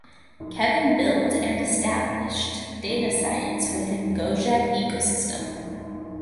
Kevin builds and established data science within Gojek ecosystem.